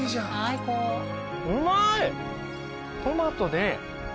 うまい。